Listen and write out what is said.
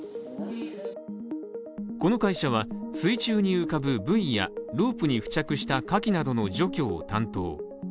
この会社は水中に浮かぶブイやロープに付着したカキなどの除去を担当